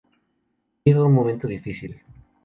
Llega en un momento difícil.